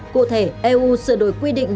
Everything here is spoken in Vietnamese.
cụ thể eu sửa đổi quy định